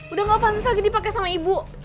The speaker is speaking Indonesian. udah gak pantas lagi dipakai sama ibu